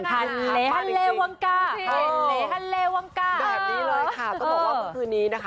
หาเขาก็จริง